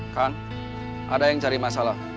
kan ada yang cari masalah